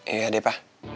iya deh pa